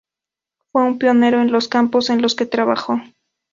Fue un pionero en los campos en los que trabajó.